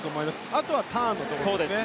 あとはターンのところ。